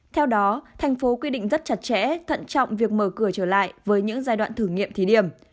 theo đó thành phố quy định rất chặt chẽ thận trọng việc mở cửa trở lại với những giai đoạn thử nghiệm thí điểm